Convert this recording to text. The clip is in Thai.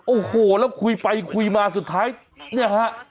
โอ้โหแล้วคุยไปคุยมาสุดท้ายเนี่ยฮะ